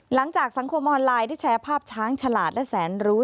สังคมออนไลน์ได้แชร์ภาพช้างฉลาดและแสนรู้